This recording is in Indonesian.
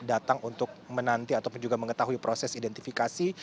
datang untuk menanti ataupun juga mengetahui proses identifikasi